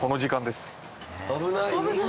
危ない！